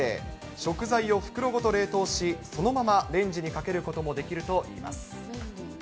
食材を袋ごと冷凍し、そのままレンジにかけることもできるといいます。